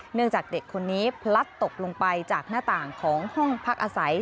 จากเด็กคนนี้พลัดตกลงไปจากหน้าต่างของห้องพักอาศัย